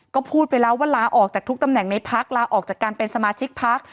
ก็พูดไปแล้วว่าลาออกจากทุกตำแหน่งในพักลาออกจากการเป็นสมาชิกพัก